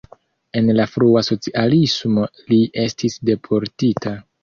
En la frua socialismo li estis deportita.